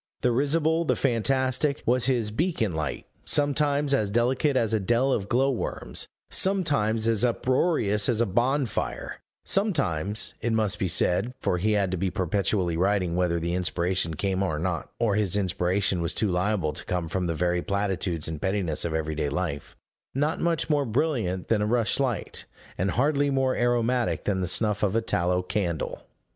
The risible, the fantastic, was his beacon light; sometimes as delicate as a dell of glow worms; sometimes as uproarious as a bonfire; sometimes, it must be said (for he had to be perpetually writing whether the inspiration came or not, or his inspiration was too liable to come from the very platitudes and pettinesses of everyday life), not much more brilliant than a rush light, and hardly more aromatic than the snuff of a tallow candle.